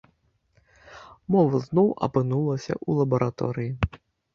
Мова зноў апынулася ў лабараторыі.